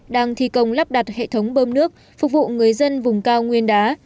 đang thi công lắp đặt hệ thống bơm nước phục vụ người dân vùng cao nguyên đá